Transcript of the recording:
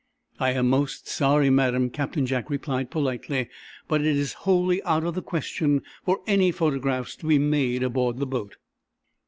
"I am most sorry, madam," Captain Jack replied, politely, "but it is wholly out of the question for any photographs to be made aboard the boat."